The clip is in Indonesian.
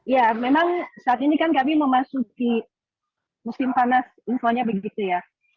ya memang saat ini kan kami memasuki musim panas infonya begitu ya